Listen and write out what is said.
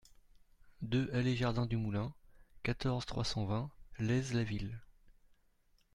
deux allée Jardin du Moulin, quatorze, trois cent vingt, Laize-la-Ville